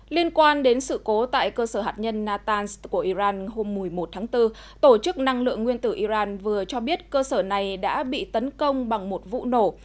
liên quan đến sự cố tại cơ sở hạt nhân natanz của iran hôm một mươi một tháng bốn tổ chức năng lượng nguyên tử iran vừa cho biết cơ sở này đã bị tấn công bằng một vụ nổ